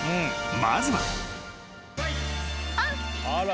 ［まずは］